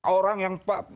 orang yang dihukum berbeda